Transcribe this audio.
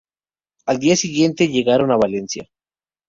Al día siguiente llegaron a Valencia.